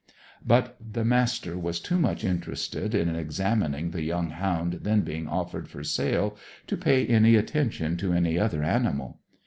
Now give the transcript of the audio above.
But the Master was too much interested in examining the young hound then being offered for sale to pay any attention to any other animal.